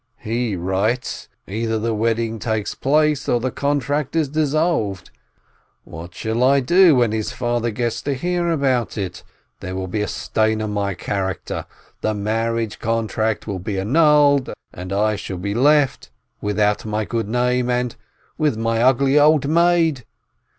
He writes, either the wedding takes place, or the contract is dissolved ! And what shall I do, when his father gets to hear about it? There will be a stain on my character, the marriage contract will be annulled, and I shall be left ... without my good name and ... with my ugly old maid